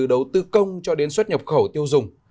đầu tư công cho đến xuất nhập khẩu tiêu dùng